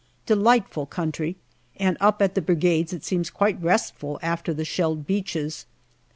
Delightful country, and up at the Brigades it seems quite restful after the shelled beaches.